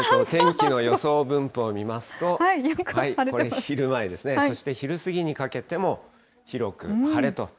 天気の予想分布を見ますと、これ昼前ですね、そして昼過ぎにかけても、広く晴れと。